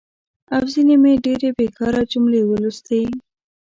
او ځینې مې ډېرې بېکاره جملې ولوستي.